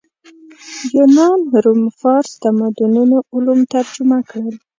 یونان روم فارس تمدنونو علوم ترجمه کړل